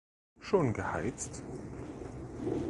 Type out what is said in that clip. Schon geheizt?